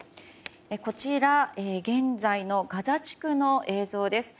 現在のガザ地区の映像です。